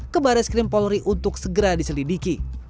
ke barres krimpolri untuk segera diselidiki